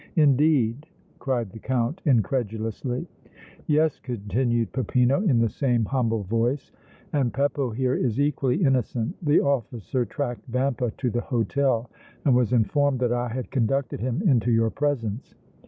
"Indeed!" cried the Count, incredulously. "Yes," continued Peppino, in the same humble voice, "and Beppo here is equally innocent. The officer tracked Vampa to the hôtel and was informed that I had conducted him into your presence.